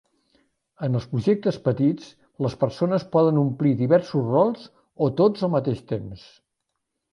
En els projectes petits, les persones poden omplir diversos rols o tots al mateix temps.